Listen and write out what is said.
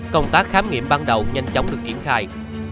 công tác khám nghiệm ban đầu nhanh chóng được triển khai